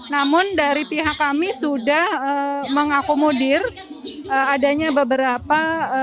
namun dari pihak kami sudah mengakomodir adanya beberapa